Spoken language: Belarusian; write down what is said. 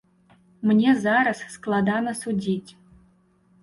Мне зараз складана судзіць.